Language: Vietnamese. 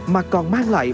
mà còn mang lại